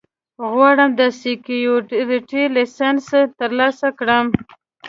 غواړم د سیکیورټي لېسنس ترلاسه کړم